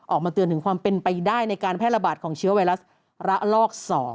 ออกมาเตือนถึงความเป็นไปได้ในการแพร่ระบาดของเชื้อไวรัสระลอก๒